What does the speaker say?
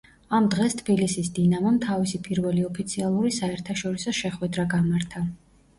ამ დღეს თბილისის „დინამომ“ თავისი პირველი ოფიციალური საერთაშორისო შეხვედრა გამართა.